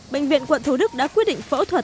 bệnh viện quận thủ đức đã quyết định phẫu thuật